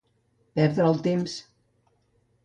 Perdre el temps.